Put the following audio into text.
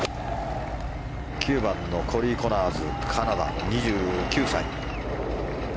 ９番のコーリー・コナーズカナダ、２９歳。